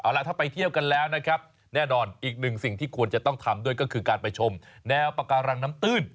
เอาล่ะถ้าไปเที่ยวกันแล้วนะครับแน่นอนอีกหนึ่งสิ่งที่ควรจะต้องทำด้วยก็คือการไปชมแนวปาการังน้ำตื้น